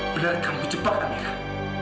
benar kamu jebak amirah